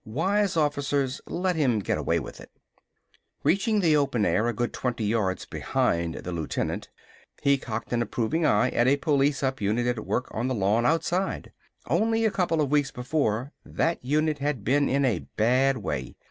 Wise officers let him get away with it. Reaching the open air a good twenty yards behind the lieutenant, he cocked an approving eye at a police up unit at work on the lawn outside. Only a couple of weeks before, that unit had been in a bad way.